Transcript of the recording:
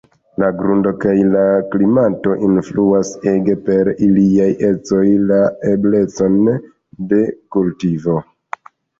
La grundo kaj la klimato influas ege per iliaj ecoj la eblecon de kultivo.